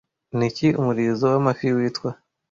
Niki umurizo wamafi witwa